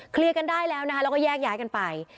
กันได้แล้วนะคะแล้วก็แยกย้ายกันไป